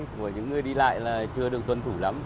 của những người đi lại là chưa được tuân thủ lắm